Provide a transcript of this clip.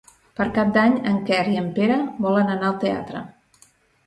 Per Cap d'Any en Quer i en Pere volen anar al teatre.